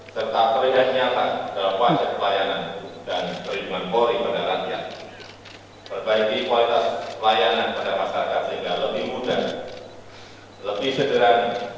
serta terjanjikan dalam wajah pelayanan